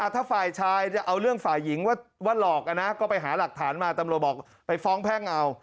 ถ้าฝ่ายชายจะเอาเรื่องฝ่ายหญิงว่าหลอกนะก็ไปหาหลักฐานมาตำรวจบอกไปฟ้องแพ่งเอา